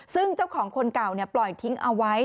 ซึ่งเจ้าของคนเก่าปล่อยทิ้งเอาไว้